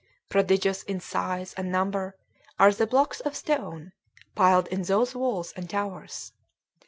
Prodigious in size and number are the blocks of stone piled in those walls and towers.